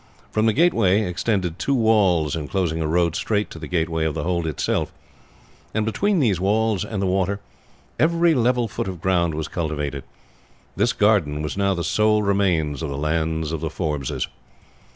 From the gateway extended two walls inclosing a road straight to the gateway of the hold itself, and between these walls and the water every level foot of ground was cultivated; this garden was now the sole remains of the lands of the Forbeses.